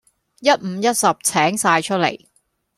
一五一十請曬出嚟